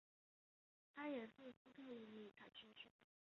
他也是斯特鲁米察区的区长。